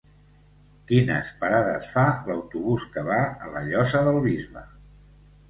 Quines parades fa l'autobús que va a la Llosa del Bisbe?